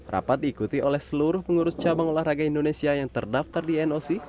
rapat diikuti oleh seluruh pengurus cabang olahraga indonesia yang terdaftar di noc